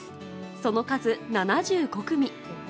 その数７５組。